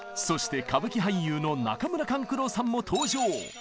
そして歌舞伎俳優の中村勘九郎さんも登場！